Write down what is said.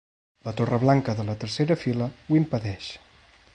La torre blanca de la tercera fila ho impedeix.